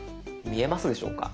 見えますでしょうか？